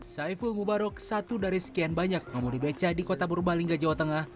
hai saiful mubarok satu dari sekian banyak ngamudi beca di kota purbalingga jawa tengah